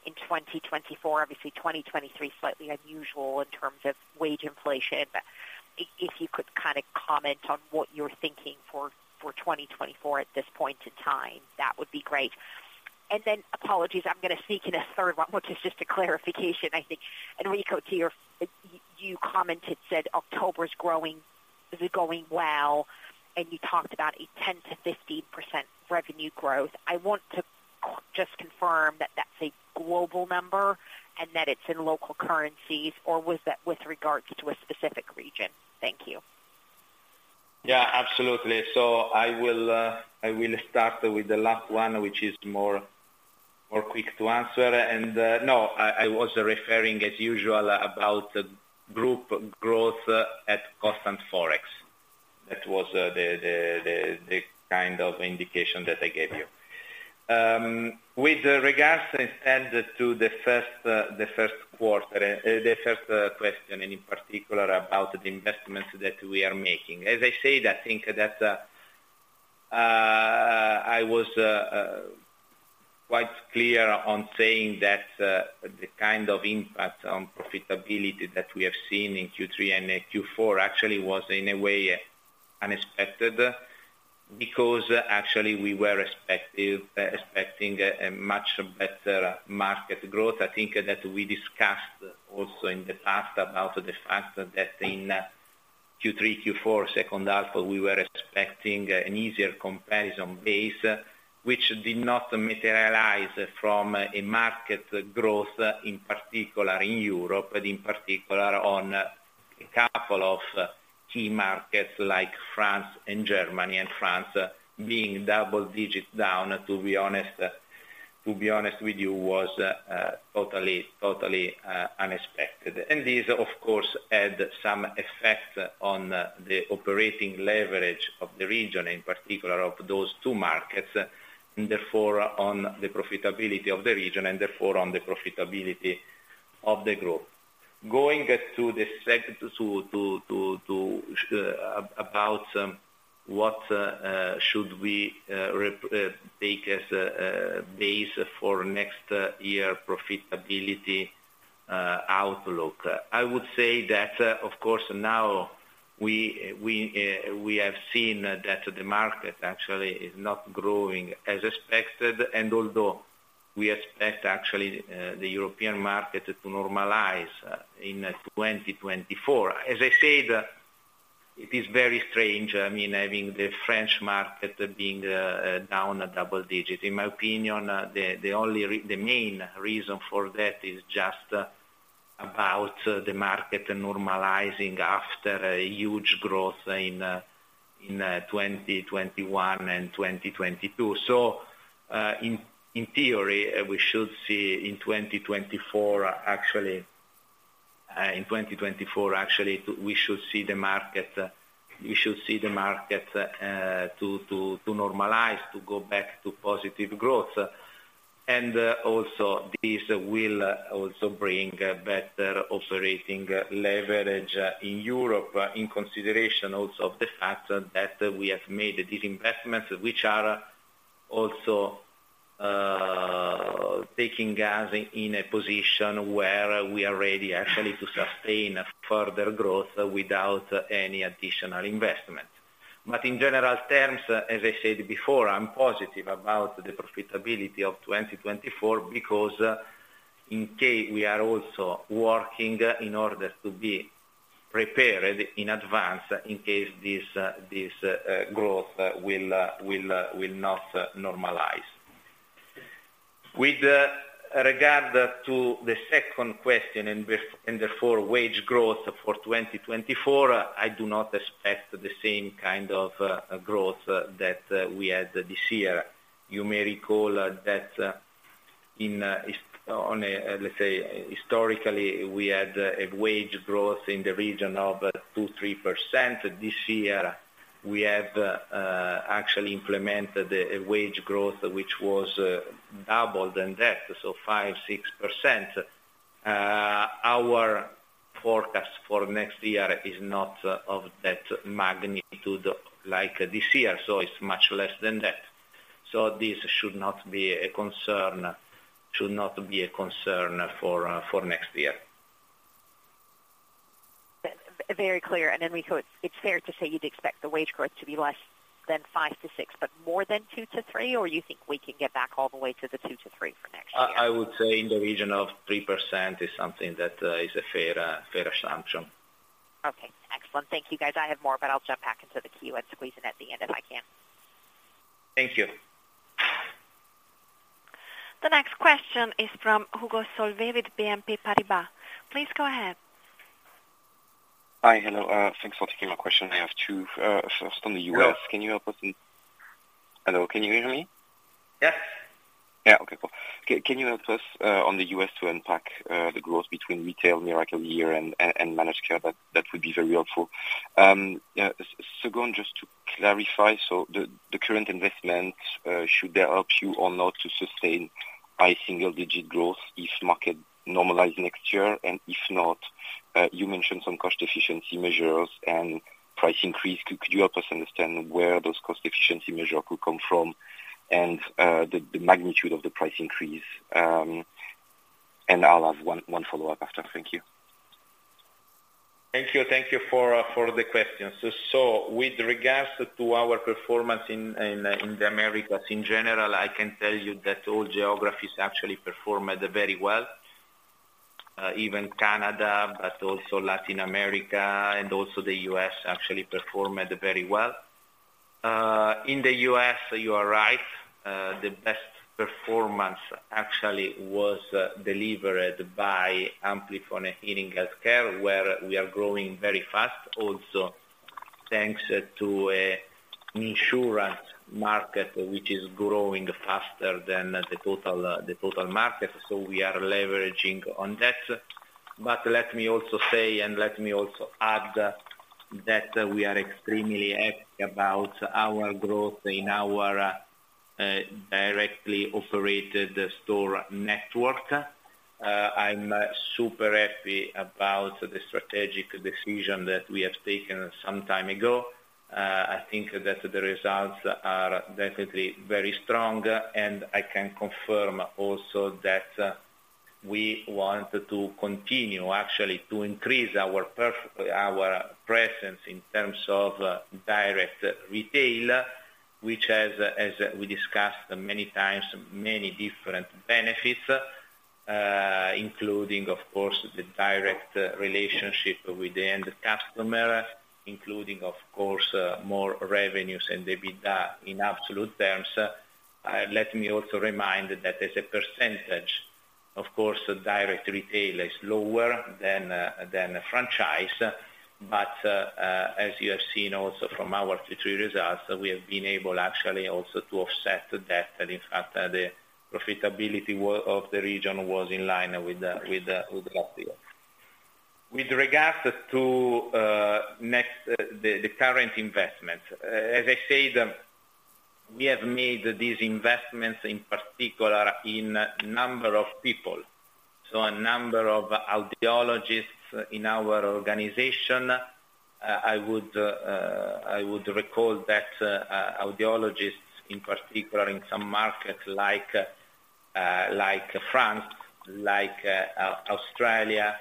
in 2024. Obviously 2023, slightly unusual in terms of wage inflation, but if you could kind of comment on what you're thinking for 2024 at this point in time, that would be great. And then apologies, I'm going to sneak in a third one, which is just a clarification, I think, Enrico, you commented, said October is growing, is going well, and you talked about a 10%-15% revenue growth. I want to just confirm that that's a global number and that it's in local currencies, or was that with regards to a specific region? Thank you. Yeah, absolutely. I will start with the last one, which is more quick to answer. No, I was referring as usual, about group growth at constant forex. That was the kind of indication that I gave you. With regards instead to the first quarter, the first question, and in particular, about the investments that we are making. As I said, I think that I was quite clear on saying that the kind of impact on profitability that we have seen in Q3 and Q4 actually was, in a way, unexpected, because actually we were expecting a much better market growth. I think that we discussed also in the past about the fact that in Q3, Q4, second half, we were expecting an easier comparison base, which did not materialize from a market growth, in particular in Europe, in particular on a couple of key markets like France and Germany, and France being double digits down, to be honest with you, was totally, totally unexpected. This, of course, had some effect on the operating leverage of the region, in particular of those two markets, and therefore on the profitability of the region, and therefore on the profitability of the group. Going to the second, about what should we take as a base for next year profitability outlook. I would say that, of course, now we have seen that the market actually is not growing as expected, and although we expect actually the European market to normalize in 2024. As I said, it is very strange, I mean, having the French market being down double-digit. In my opinion, the main reason for that is just about the market normalizing after a huge growth in 2021 and 2022. So, in theory, we should see in 2024 actually, we should see the market to normalize, to go back to positive growth. Also this will also bring better operating leverage in Europe, in consideration also of the fact that we have made these investments, which are also taking us in a position where we are ready actually to sustain further growth without any additional investment. But in general terms, as I said before, I'm positive about the profitability of 2024, because in case we are also working in order to be prepared in advance, in case this growth will not normalize. With regard to the second question, and therefore wage growth for 2024, I do not expect the same kind of growth that we had this year. You may recall that, on a, let's say, historically, we had a wage growth in the region of 2%-3%. This year, we have actually implemented a wage growth, which was double than that, so 5%-6%. Our forecast for next year is not of that magnitude like this year, so it's much less than that. So this should not be a concern, should not be a concern for next year. Very clear. And Enrico, it's fair to say you'd expect the wage growth to be less than 5%-6%, but more than 2%-3%, or you think we can get back all the way to the 2%-3% for next year? I would say in the region of 3% is something that is a fair assumption. Okay, excellent. Thank you, guys. I have more, but I'll jump back into the queue and squeeze in at the end if I can. Thank you. The next question is from Hugo Solvet with BNP Paribas. Please go ahead. Hi, hello. Thanks for taking my question. I have two. First, on the U.S. Hello. Hello, can you hear me? Yes. Yeah. Okay, cool. Can you help us on the U.S. to unpack the growth between retail Miracle-Ear and managed care? That would be very helpful. Yeah, second, just to clarify, so the current investment should that help you or not to sustain high single-digit growth if market normalize next year? And if not, you mentioned some cost efficiency measures and price increase. Could you help us understand where those cost efficiency measure could come from and the magnitude of the price increase? And I'll have one follow-up after. Thank you. Thank you. Thank you for the questions. With regards to our performance in the Americas, in general, I can tell you that all geographies actually performed very well. Even Canada, but also Latin America, and also the U.S. actually performed very well. In the U.S., you are right, the best performance actually was delivered by Amplifon Hearing Health Care, where we are growing very fast, also thanks to an insurance market, which is growing faster than the total market, so we are leveraging on that. But let me also say, and let me also add, that we are extremely happy about our growth in our directly operated store network. I'm super happy about the strategic decision that we have taken some time ago. I think that the results are definitely very strong, and I can confirm also that we want to continue actually to increase our presence in terms of direct retail, which has, as we discussed many times, many different benefits, including of course, the direct relationship with the end customer, including of course, more revenues and EBITDA in absolute terms. Let me also remind that as a percentage, of course, direct retail is lower than a franchise, but as you have seen also from our Q3 results, we have been able actually also to offset that. And in fact, the profitability of the region was in line with last year. With regards to next, the current investment, as I said, we have made these investments in particular in number of people, so a number of audiologists in our organization. I would recall that audiologists, in particular in some markets like France, like Australia,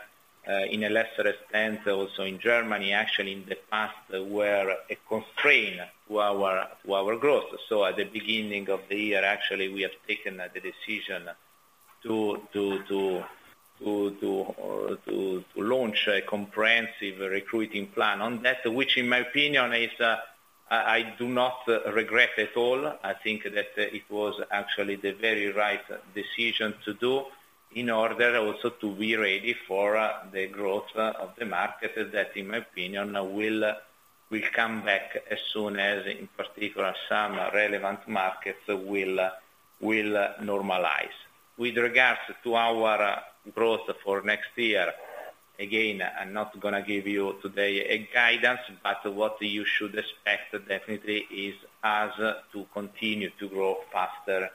in a lesser extent, also in Germany, actually in the past, were a constraint to our growth. At the beginning of the year, actually, we have taken the decision to launch a comprehensive recruiting plan on that. Which in my opinion, I do not regret at all. I think that it was actually the very right decision to do in order also to be ready for the growth of the market that, in my opinion, will come back as soon as, in particular, some relevant markets will normalize. With regards to our growth for next year, again, I'm not gonna give you today a guidance, but what you should expect definitely is us to continue to grow faster,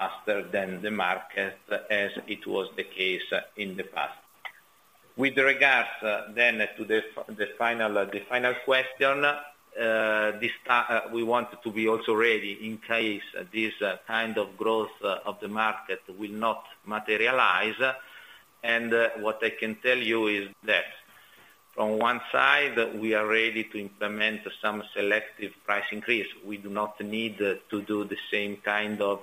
faster than the market, as it was the case in the past. With regards, then to the final question, we want to be also ready in case this kind of growth of the market will not materialize. And, what I can tell you is that from one side, we are ready to implement some selective price increase. We do not need to do the same kind of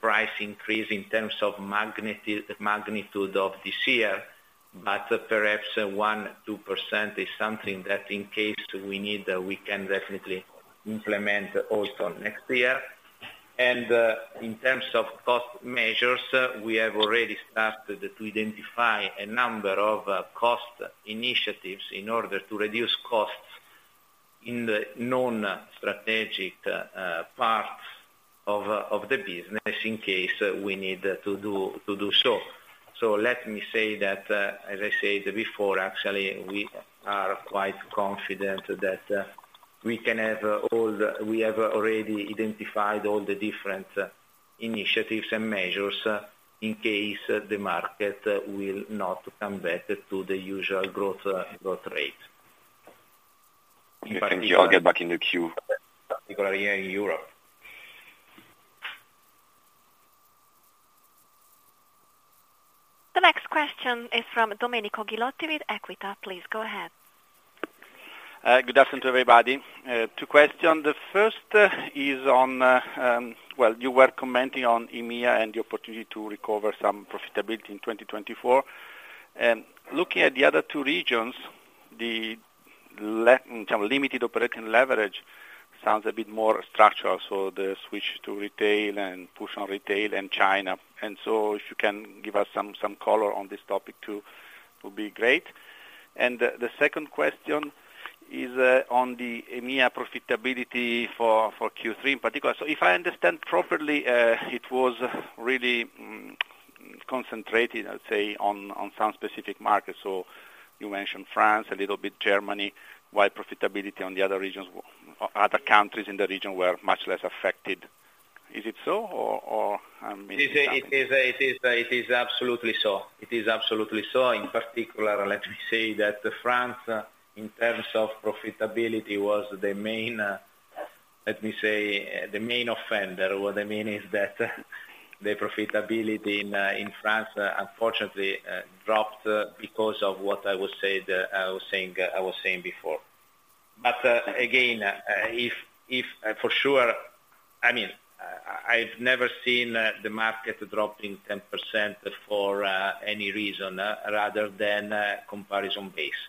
price increase in terms of magnitude of this year, but perhaps 1%-2% is something that in case we need, we can definitely implement also next year. And in terms of cost measures, we have already started to identify a number of cost initiatives in order to reduce costs in the non-strategic parts of the business, in case we need to do so. So let me say that, as I said before, actually, we are quite confident that we have already identified all the different initiatives and measures, in case the market will not come back to the usual growth rate. Thank you. I'll get back in the queue. Particularly in Europe. The next question is from Domenico Ghilotti with Equita. Please, go ahead. Good afternoon, everybody. Two questions. The first is on, well, you were commenting on EMEA and the opportunity to recover some profitability in 2024. And looking at the other two regions, kind of limited operating leverage sounds a bit more structural, so the switch to retail and push on retail and China. And so if you can give us some color on this topic, too, it would be great. And the second question is, on the EMEA profitability for Q3 in particular. So if I understand properly, it was really concentrated, I'd say, on some specific markets. So you mentioned France, a little bit Germany, while profitability on the other regions, other countries in the region were much less affected. Is it so or, maybe? It is, it is, it is, it is absolutely so. It is absolutely so. In particular, let me say that France, in terms of profitability, was the main, let me say, the main offender. What I mean is that the profitability in, in France, unfortunately, dropped because of what I was saying, I was saying before. But, again, if, if for sure, I mean, I've never seen, the market dropping 10% for, any reason, rather than, comparison base.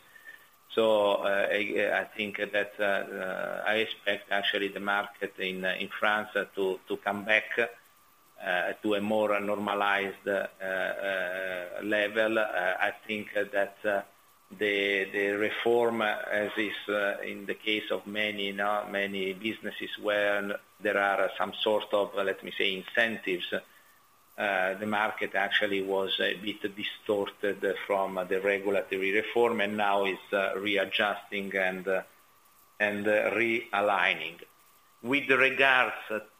So, I, I think that, I expect actually the market in France to, to come back, to a more normalized, level. I think that the reform, as is in the case of many, not many businesses, where there are some sort of, let me say, incentives, the market actually was a bit distorted from the regulatory reform, and now is readjusting and realigning. With regards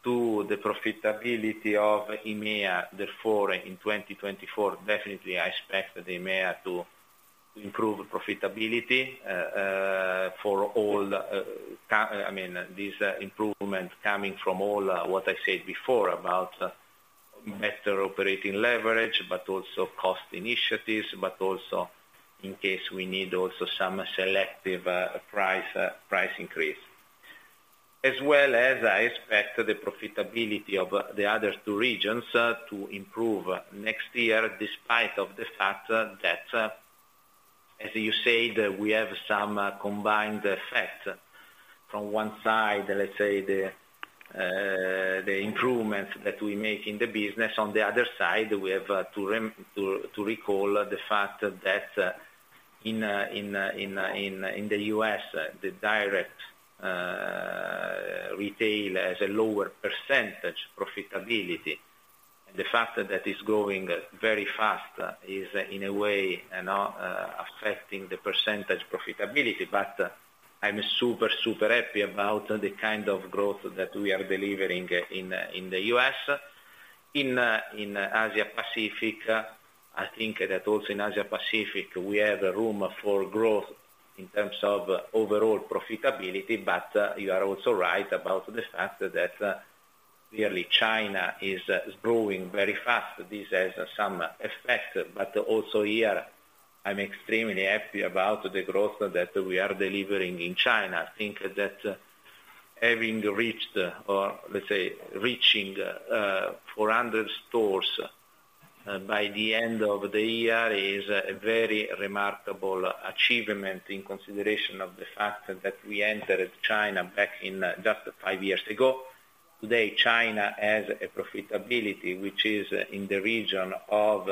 to the profitability of EMEA, therefore, in 2024, definitely I expect the EMEA to improve profitability, for all, I mean, this improvement coming from all, what I said before about better operating leverage, but also cost initiatives, but also in case we need also some selective price increase. As well as I expect the profitability of the other two regions to improve next year, despite of the fact that, as you said, we have some combined effect. From one side, let's say, the improvement that we make in the business. On the other side, we have to recall the fact that in the U.S., the direct retail has a lower percentage profitability. The fact that it's growing very fast is, in a way, affecting the percentage profitability. I'm super, super happy about the kind of growth that we are delivering in the U.S. In Asia-Pacific, I think that also in Asia-Pacific, we have room for growth in terms of overall profitability, but you are also right about the fact that clearly China is growing very fast. This has some effect, but also here, I'm extremely happy about the growth that we are delivering in China. I think that having reached, or let's say, reaching 400 stores by the end of the year is a very remarkable achievement in consideration of the fact that we entered China back in just five years ago. Today, China has a profitability which is in the region of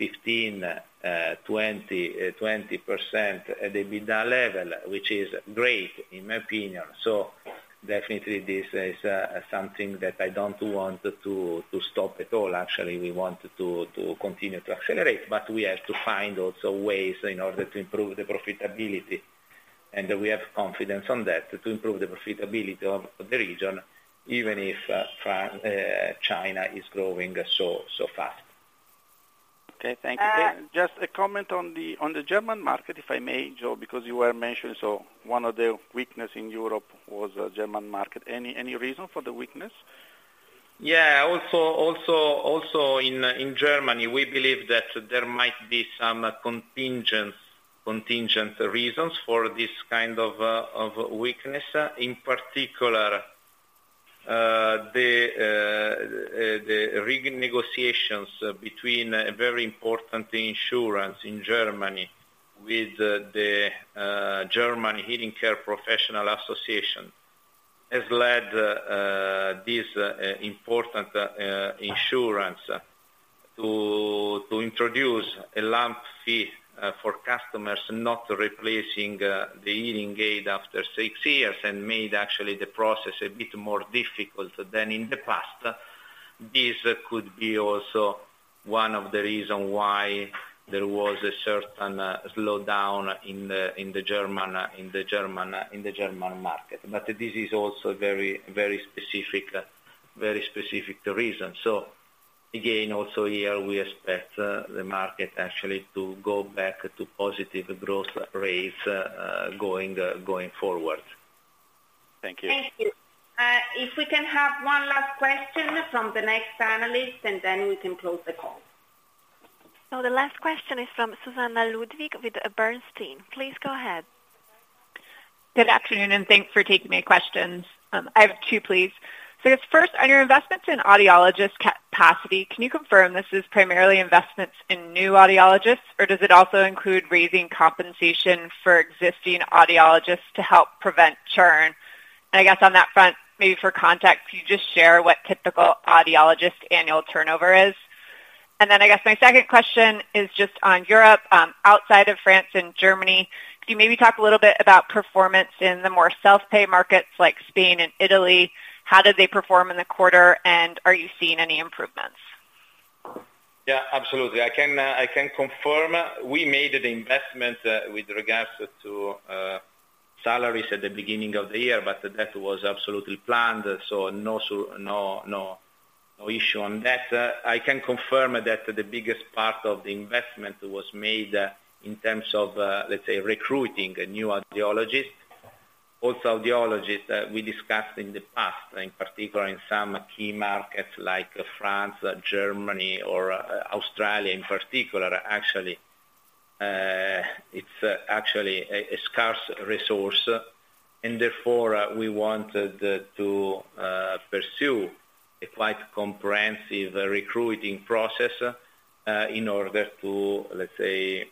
15%-20% at EBITDA level, which is great, in my opinion. So definitely this is something that I don't want to stop at all. Actually, we want to continue to accelerate, but we have to find also ways in order to improve the profitability, and we have confidence on that, to improve the profitability of the region, even if China is growing so fast. Okay, thank you. Just a comment on the, on the German market, if I may, Joe, because you were mentioning, one of the weakness in Europe was the German market. Any, any reason for the weakness? Yeah, also in Germany, we believe that there might be some contingent reasons for this kind of weakness. In particular, the renegotiations between a very important insurance in Germany with the German Hearing Care Professional Association has led this important insurance to introduce a lump fee for customers not replacing the hearing aid after six years, and made actually the process a bit more difficult than in the past. This could be also one of the reasons why there was a certain slowdown in the German market. This is also a very specific reason. Again, also here, we expect the market actually to go back to positive growth rates going forward. Thank you. Thank you. If we can have one last question from the next panelist, and then we can close the call. The last question is from Susannah Ludwig, with Bernstein. Please go ahead. Good afternoon, and thanks for taking my questions. I have two, please. So it's first, on your investments in audiologist capacity, can you confirm this is primarily investments in new audiologists, or does it also include raising compensation for existing audiologists to help prevent churn? And I guess on that front, maybe for context, can you just share what typical audiologist annual turnover is? And then I guess my second question is just on Europe, outside of France and Germany, can you maybe talk a little bit about performance in the more self-pay markets like Spain and Italy? How did they perform in the quarter, and are you seeing any improvements? Yeah, absolutely. I can confirm we made an investment with regards to salaries at the beginning of the year, but that was absolutely planned, so no issue on that. I can confirm that the biggest part of the investment was made in terms of, let's say, recruiting new audiologists. Also, audiologists, we discussed in the past, in particular in some key markets like France, Germany, or Australia in particular. Actually, it's actually a scarce resource, and therefore, we wanted to pursue a quite comprehensive recruiting process, in order to, let's say,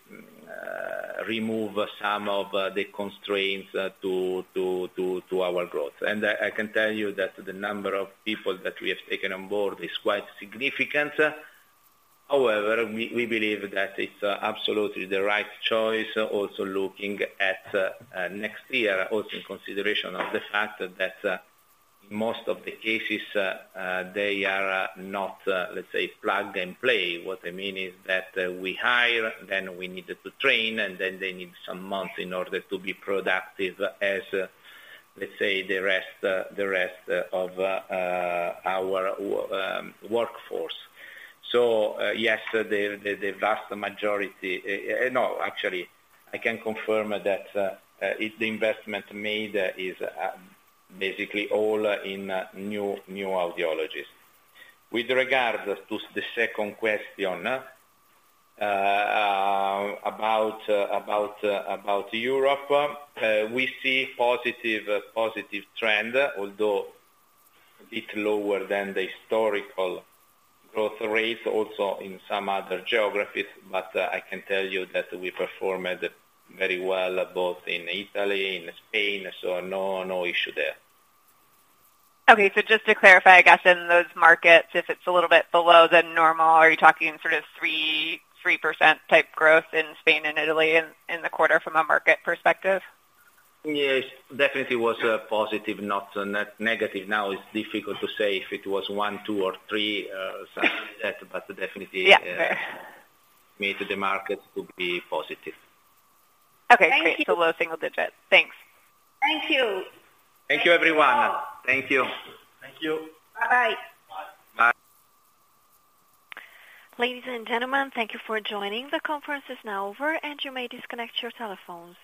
remove some of the constraints to our growth. I can tell you that the number of people that we have taken on board is quite significant. However, we believe that it's absolutely the right choice, also looking at next year, also in consideration of the fact that most of the cases they are not, let's say, plug and play. What I mean is that we hire, then we need to train, and then they need some months in order to be productive, as, let's say, the rest of our workforce. So, yes, the vast majority. No, actually, I can confirm that the investment made is basically all in new audiologists. With regards to the second question, about Europe, we see positive, positive trend, although a bit lower than the historical growth rate, also in some other geographies, but I can tell you that we performed very well, both in Italy, in Spain, so no, no issue there. Okay, just to clarify, I guess in those markets, if it's a little bit below the normal, are you talking sort of 3% type growth in Spain and Italy in the quarter from a market perspective? Yes. Definitely was positive, not negative. Now, it's difficult to say if it was 1%, 2%, or 3%, something like that, but definitely it made the market to be positive. Okay, great. Thank you. Low single-digit. Thanks. Thank you. Thank you, everyone. Thank you. Thank you. Bye-bye. Bye. Ladies and gentlemen, thank you for joining. The conference is now over, and you may disconnect your telephones.